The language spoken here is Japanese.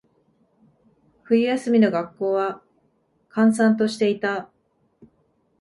冬休みの学校は、閑散としていた。